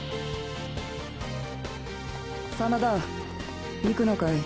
真田行くのかい？